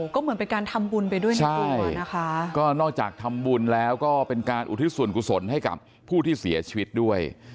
ก็เหมือนเป็นการทำบุญไปด้วยนะด้วยนะคะก็นอกจากทำบุญแล้วก็เป็นการอุทิศส่วนกุศลให้กับผู้ที่เสียชีวิตด้วย